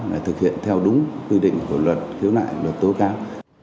để thực hiện theo đúng quy định của luật khiếu nại luật tố cáo